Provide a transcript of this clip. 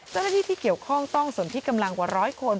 เจ้าหน้าที่ที่เกี่ยวข้องต้องสนที่กำลังกว่าร้อยคน